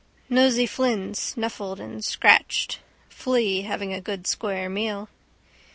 Nosey Flynn snuffled and scratched. Flea having a good square meal.